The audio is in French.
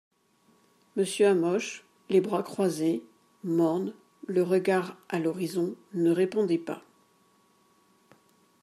Monsieur Hamoche, les bras croises, morne, le regard a l'horizon, ne répondait pas.